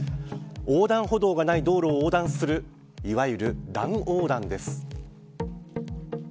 横断歩道がない道路を横断するいわゆる乱横断です。